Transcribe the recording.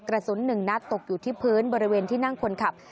กระสุน๑นัดตกอยู่ที่พื้นบริเวณที่นั่งคนขับ